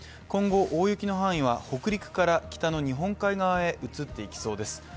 今後、大雪の範囲は北陸から北の日本海側へ移っていきそうです。